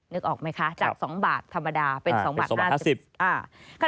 นึกออกไหมคะจาก๒บาทธรรมดาเป็น๒บาท๕๐บาท